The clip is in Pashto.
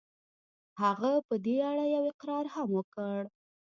هغه په دې اړه يو اقرار هم وکړ.